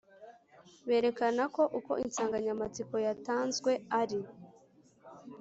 Berekana ko uko insanganyamatsiko yatanzwe ari